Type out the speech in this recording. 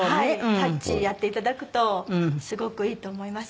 タッチやって頂くとすごくいいと思います。